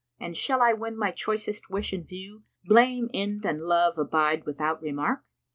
And I shall win my choicest wish and view? * Blame end and Love abide without remark?